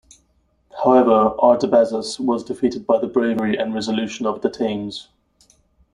However, Artabazus was defeated by the bravery and resolution of Datames.